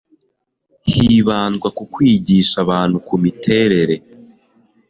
hibandwa ku kwigisha abantu ku miterere